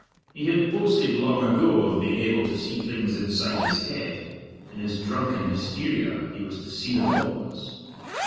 He had boasted long ago of being able to see things inside his head; in his drunken hysteria he was to see them always.